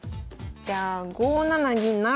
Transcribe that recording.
じゃあ５七銀不成。